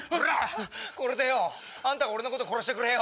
これでよあんたが俺のこと殺してくれよ。